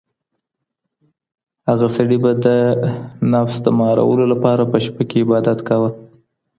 هغه سړي به د نفس د مهارولو لپاره په شپه کي عبادت کاوه.